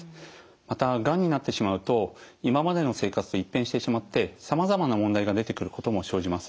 またがんになってしまうと今までの生活と一変してしまってさまざまな問題が出てくることも生じます。